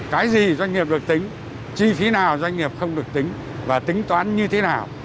cái gì doanh nghiệp được tính chi phí nào doanh nghiệp không được tính và tính toán như thế nào